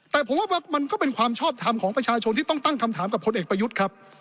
แต่ผมว่ามันก็เป็นความชอบทำของประชาชนที่ต้องตั้งคำถามกับพลเอกประยุทธ์ครับ